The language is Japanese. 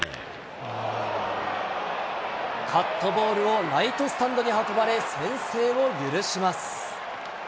カットボールをライトスタンドに運ばれ、先制を許します。